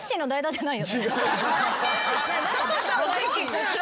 じゃない。